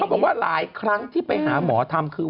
บอกว่าหลายครั้งที่ไปหาหมอทำคือ